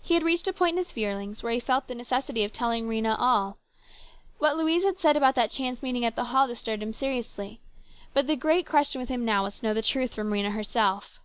He had reached a point in his feelings where he felt the necessity of telling Rhena all. What Louise had said about that chance meeting at the hall disturbed him seriously. But the great question with him now was to know the truth from Rhena herself.